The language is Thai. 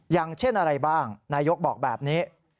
อย่างเช่นอะไรบ้างนายกบอกแบบนี้